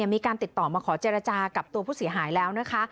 มีการติดต่อมาขอเจรจากับตัวผู้เสียหายแล้วนะคะ